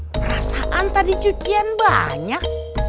perasaan tadi cucian banyak